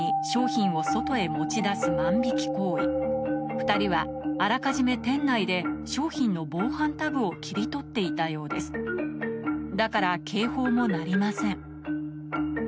２人はあらかじめ店内で商品の防犯タグを切り取っていたようですだから警報も鳴りません